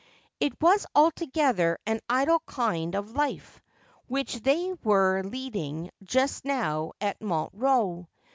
It was altogether an idle kind of life which they were lead ing just now at Montreux.